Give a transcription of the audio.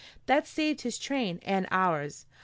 That saved his train and ours.